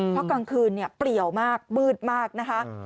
เพราะกลางคืนเปรียวมากมืดมากนะคะ